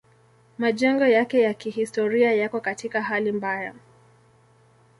Majengo yake ya kihistoria yako katika hali mbaya.